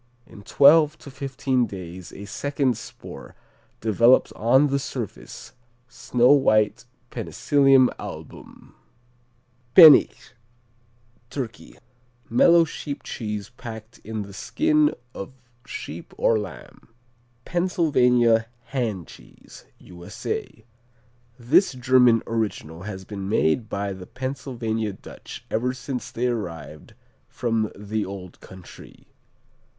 In twelve to fifteen days a second spore develops on the surface, snow white Penicillium Album. Pennich Turkey Mellow sheep cheese packed in the skin of sheep or lamb. Pennsylvania Hand Cheese U.S.A. This German original has been made by the Pennsylvania Dutch ever since they arrived from the old country.